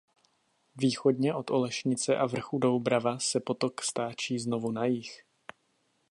Východně od Olešnice a vrchu Doubrava se potok stáčí znovu na jih.